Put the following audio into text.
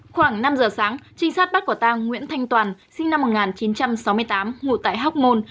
khoảng năm giờ sáng trinh sát bắt quả tang nguyễn thanh toàn sinh năm một nghìn chín trăm sáu mươi tám ngụ tại hóc môn